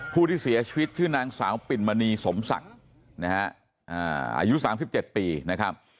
ผู้ที่เสียชีวิตชื่อนางสาวปิ่นมณีสมศักดิ์นะฮะอายุ๓๗ปีนะครับ